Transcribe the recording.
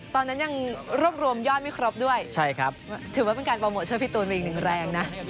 ตอนนั้นยังรวบรวมยอดไม่ครบด้วยถือว่าเป็นการโปรโมทช่วยพี่ตูนไปอีกหนึ่งแรงนะ